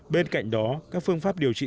bên cạnh đó các phương pháp điều trị